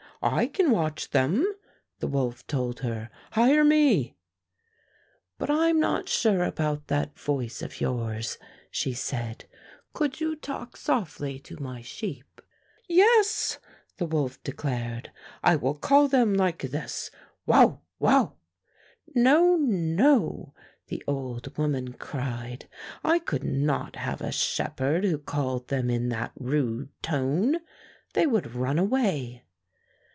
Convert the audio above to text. "I can watch them," the wolf told her. "Hire me." "But I'm not sure about that voice of yours," she said. "Could you talk softly to my sheep?" "Yes," the wolf declared; "I will call them like this — Wow ! Wow!" 163 Fairy Tale Foxes ''No, no!" the old woman cried; "I could not have a shepherd who called them in that rude tone. They would run away."